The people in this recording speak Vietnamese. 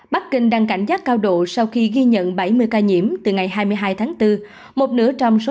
bắc kinh đang cảnh giác cao độ sau khi ghi nhận bảy mươi ca nhiễm từ ngày hai mươi hai tháng bốn trong số